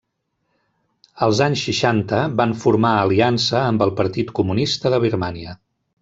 Als anys seixanta van formar aliança amb el Partit Comunista de Birmània.